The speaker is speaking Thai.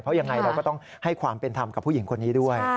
เพราะยังไงเราก็ต้องให้ความเป็นธรรมกับผู้หญิงคนนี้ด้วย